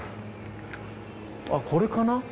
あっこれかな？